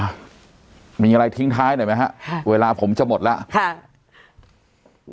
อ่ะมีอะไรทิ้งท้ายหน่อยไหมฮะค่ะเวลาผมจะหมดแล้วค่ะ